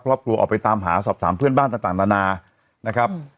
ออกไปตามหาสอบถามเพื่อนบ้านต่างนานานะครับ